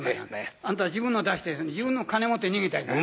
あんた自分の出して自分の金持って逃げたら。